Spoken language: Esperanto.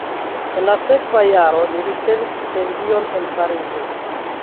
En la sekva jaro li havis stipendion en Parizo.